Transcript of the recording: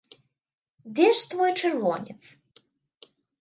Дзе ж твой чырвонец?